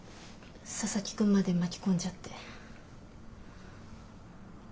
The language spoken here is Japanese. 佐々木くんまで巻き込んじゃって。